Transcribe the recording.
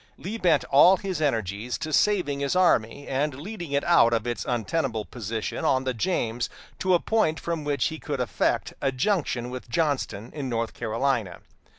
Lee bent all his energies to saving his army and leading it out of its untenable position on the James to a point from which he could effect a junction with Johnston in North Carolina.